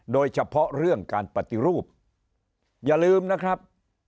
โดยเฉพาะเรื่องการปฏิรูปอย่าลืมนะครับ